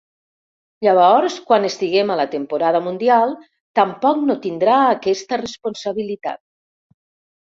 Llavors, quan estiguem a la temporada mundial, tampoc no tindrà aquesta responsabilitat.